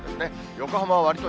横浜はわりと